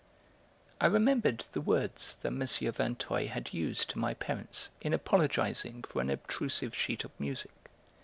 I remembered the words that M. Vinteuil had used to my parents in apologising for an obtrusive sheet of music.